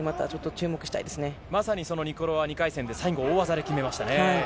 まさに、そのニコロバ、２回戦で最後、大技で決めましたね。